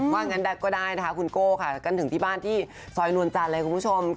ยังงั้นก็ได้คุณโก้นที่บ้านที่ซอยนวลล์จันทร์คุณผู้ชม